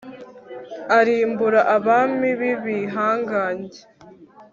arimbura abami b'ibihangange